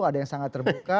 ada yang sangat terbuka